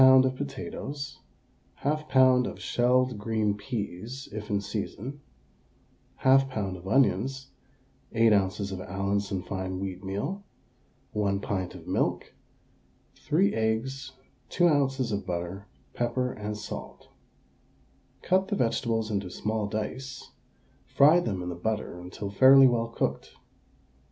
of potatoes, 1/2 lb. of shelled green peas (if in season), 1/2 lb. of onions, 8 oz. of Allinson fine wheatmeal, 1 pint of milk, 3 eggs, 2 oz. of butter, pepper and salt. Cut the vegetables into small dice; fry them in the butter until fairly well cooked.